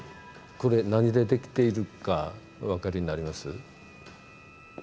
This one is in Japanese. これ何でできているかお分かりになります？